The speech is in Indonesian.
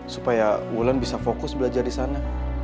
supaya wulan bisa fokus belajar di sana